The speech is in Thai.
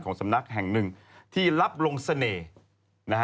สำนักแห่งหนึ่งที่รับลงเสน่ห์นะฮะ